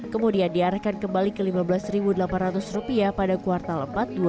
kemudian diarahkan kembali ke rp lima belas delapan ratus pada kuartal empat dua ribu dua puluh